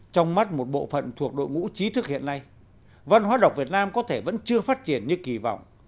trong mắt một bộ phận thuộc đội ngũ trí thức hiện nay văn hóa đọc việt nam có thể vẫn chưa phát triển như kỳ vọng